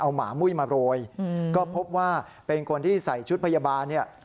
หมามุ้ยมาโรยก็พบว่าเป็นคนที่ใส่ชุดพยาบาลเนี่ย